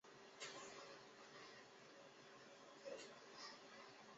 万德斯坦。